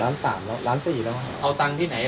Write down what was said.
เอาตังที่ไหนล้าน๒กูซื้อรถรอนไซค์